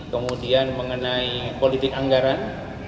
kemudian mengenai politik anggaran